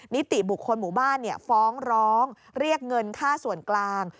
นิติบุคคลหมู่บ้านฟ้องร้องเรียกเงินค่าส่วนกลาง